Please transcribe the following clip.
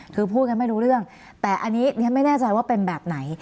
คือพูดกันไม่รู้เรื่องแต่อันนี้ไม่แน่ใจว่าเป็นแบบไหน